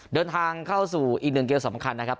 เดินทางเข้าสู่อีกหนึ่งเกมสำคัญนะครับ